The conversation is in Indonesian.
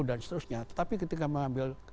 dan seterusnya tetapi ketika mengambil